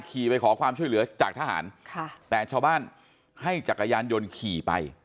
ขี่ไปขอความช่วยเหลือจากทหารค่ะแต่ชาวบ้านให้จักรยานยนต์ขี่ไป